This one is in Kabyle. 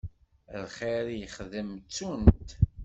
Lxir i yexdem ttun-t.